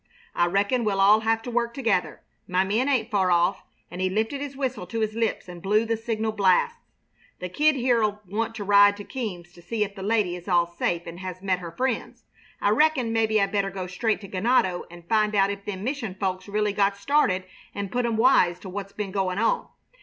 "I reckon we'll all have to work together. My men ain't far off," and he lifted his whistle to his lips and blew the signal blasts. "The Kid here 'll want to ride to Keams to see if the lady is all safe and has met her friends. I reckon mebbe I better go straight to Ganado and find out if them mission folks really got started, and put 'em wise to what's been going on.